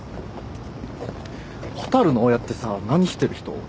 蛍の親ってさ何してる人？